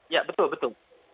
ya betul betul